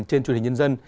trên truyền hình nhân dân